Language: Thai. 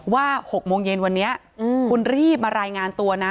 ๖โมงเย็นวันนี้คุณรีบมารายงานตัวนะ